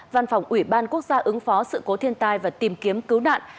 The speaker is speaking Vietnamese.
văn phòng ủy ban quốc gia ứng phó sự cố thiên tai và tìm kiếm cứu nạn